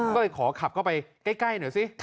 ก็เลยขอขับเข้าไปใกล้หน่อยสิ